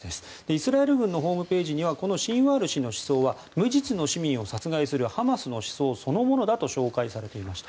イスラエル軍のホームページにはこのシンワール氏の思想は無実の市民を殺害するハマスの思想そのものだと紹介されていました。